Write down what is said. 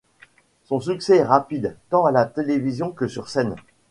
Son succès est rapide, tant à la télévision que sur scène.